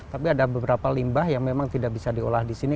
tapi ada beberapa limbah yang memang tidak bisa diolah di sini